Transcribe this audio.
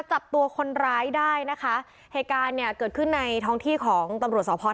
จับตัวคนร้ายได้นะคะเนี้ยเกิดขึ้นในท้องที่ของตำรวจสอบพอร์ท